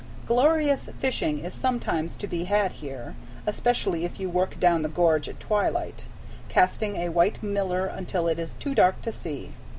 Glorious fishing is sometimes to be had here, especially if you work down the gorge at twilight, casting a white miller until it is too dark to see.